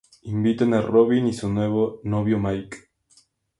Invitan a Robin y su nuevo novio Mike.